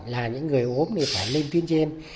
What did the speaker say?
là những người ốm thì phải lên tuyến trên